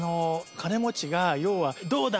金持ちが要はどうだ